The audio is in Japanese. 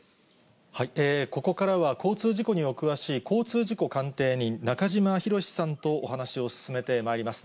ここからは、交通事故にお詳しい交通事故鑑定人、中島博史さんとお話を進めてまいります。